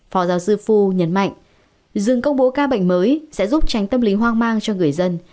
phó giáo sư phu nhấn mạnh dừng công bố ca bệnh mới sẽ giúp tránh tâm lý hoang mang cho người dân